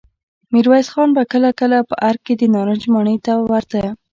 ميرويس خان به کله کله په ارګ کې د نارنج ماڼۍ ته ورته.